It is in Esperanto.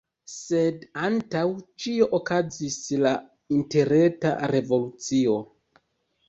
Sed antaŭ ĉio okazis la interreta revolucio.